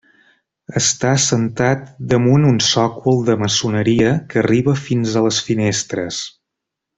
Està assentat damunt un sòcol de maçoneria que arriba fins a les finestres.